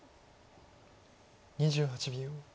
２８秒。